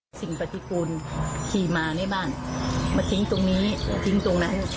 อ่ะในนี้อย่าร้านว่าคือไม่พอใจ